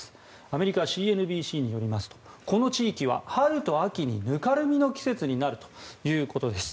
アメリカＣＮＢＣによりますとこの地域、春と秋にぬかるみの季節になるということです。